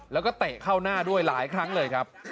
แล้วก็เตะเข้าหน้าด้วยหลายครั้งเลยครับ